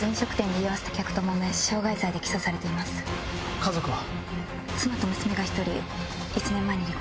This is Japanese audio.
家族は？